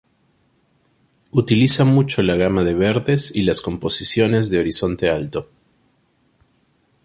Utiliza mucho la gama de verdes y las composiciones de horizonte alto.